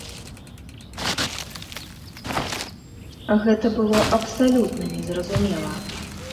Гэта было абсалютна незразумела.